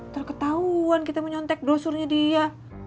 terketahuan kita menyontek brosurnya dia